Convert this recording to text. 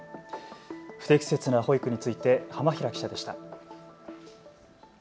不適切な保育について浜平記者でした。